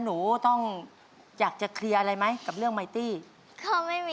ถูกกล่าวหานะครับเพื่อนกันเนาะ